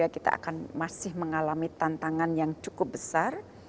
dua ribu dua puluh tiga kita akan masih mengalami tantangan yang cukup besar